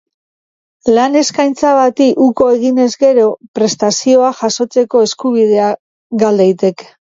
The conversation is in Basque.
Lan eskaintza bati uko eginez gero, prestazioa jasotzeko eskubidea gal daiteke.